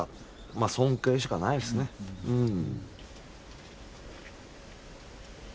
まあ尊敬しかないっすねうん。